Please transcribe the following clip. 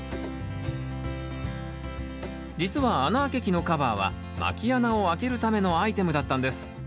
実は穴あけ器のカバーはまき穴をあけるためのアイテムだったんです。